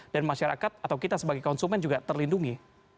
dan masyarakat atau kita sebagai konsumen juga terlindungi